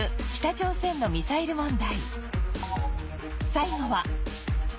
最後は